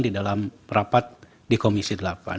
di dalam rapat di komisi delapan